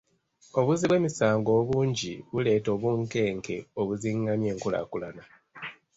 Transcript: Obuzzi bw'emisango obungi buleeta obunkenke obuzingamya enkulaakulana.